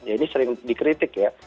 ini sering dikritik ya